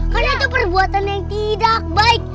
karena itu perbuatan yang tidak baik